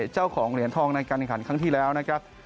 เจ้าของเหรียญทองในการแข่งขันครั้งที่แล้วนะครับ